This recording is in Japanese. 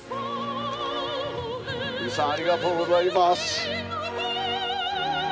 富士山ありがとうございます。